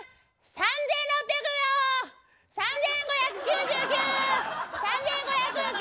３，５９９！